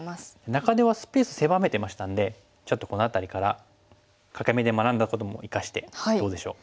中手はスペース狭めてましたんでちょっとこの辺りから欠け眼で学んだことも生かしてどうでしょう？